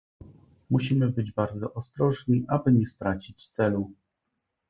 Musimy być bardzo ostrożni, aby nie stracić celu